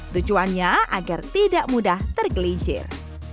tujuannya agar tidak mudah tergelincir